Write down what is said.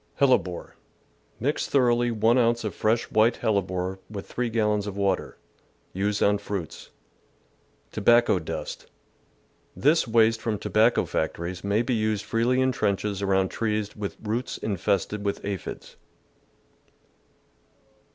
Hellebore. — Mix thoroughly 1 ounce of fresh [ 24 2 ] THE GARDEN'S ENEMIES white hellebore with 3 gallons of water. Use on fruits. Tobacco Dust. — This waste from tobacco fac tories may be used freely in trenches around trees with roots infested with aphids.